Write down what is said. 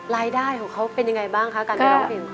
รายได้ของเขาเป็นยังไงบ้างคะการไปร้องเพลง